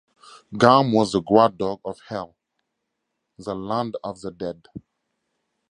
Garm was the guard dog of Hel, the land of the dead.